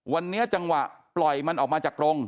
วันนี้จังหวะปล่อยมันออกมาจากกรง